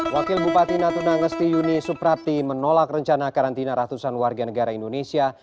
wakil bupati natuna ngesti yuni suprati menolak rencana karantina ratusan warga negara indonesia